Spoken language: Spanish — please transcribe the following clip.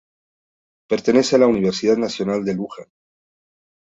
Pertenece a la Universidad Nacional de Luján.